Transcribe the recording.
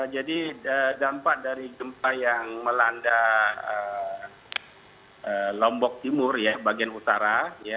jadi dampak dari gempa yang melanda lombok timur bagian utara